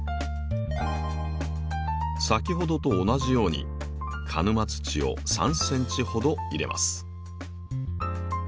先ほどと同じように鹿沼土を３ｃｍほど入れます。